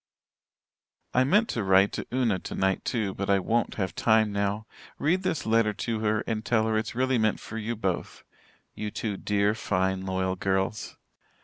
"I meant to write to Una tonight, too, but I won't have time now. Read this letter to her and tell her it's really meant for you both you two dear, fine loyal girls.